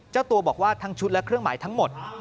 เจ้าตัวบอกว่าทั้งชุดและเครื่องหมายทั้งหมด